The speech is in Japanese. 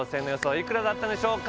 いくらだったでしょうか？